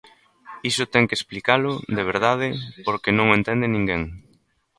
Iso ten que explicalo, de verdade, porque non o entende ninguén.